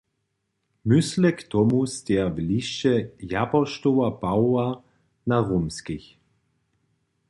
Mysle k tomu steja w lisće japoštoła Pawoła na Romskich.